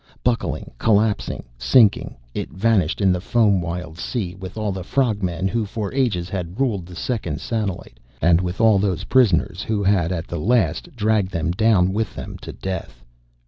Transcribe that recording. Buckling, collapsing, sinking, it vanished in the foam wild sea with all the frog men who for ages had ruled the second satellite, and with all those prisoners who had at the last dragged them down with them to death!